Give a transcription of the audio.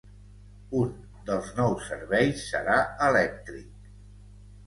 Un dels nous serveis serà elèctric.